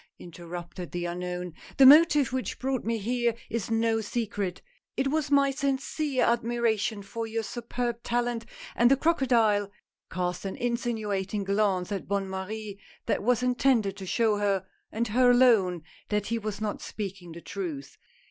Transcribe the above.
" interrupted the unknown, " the motive which brought me here is no secret — It was my sincere admiration for your superb talent," and the crocodile cast an insinuating glance at Bonne Marie, that was intended to show her, and her alone, that he was not speaking the truth.